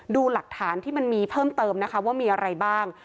ดูหลักฐานที่มันมีเพิ่มเติมนะคะว่ามีอะไรบ้าง